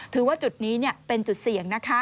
ถือว่าจุดนี้เป็นจุดเสี่ยงนะคะ